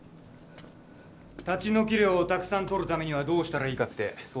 立ち退き料をたくさん取るためにはどうしたらいいかって相談したんだよな。